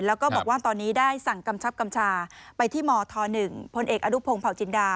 แล้วก็บอกว่าตอนนี้ได้สั่งกำชับกำชาไปที่มธ๑พลเอกอนุพงศ์เผาจินดา